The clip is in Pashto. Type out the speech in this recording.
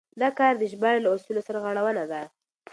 دا کار د ژباړې له اصولو سرغړونه ده.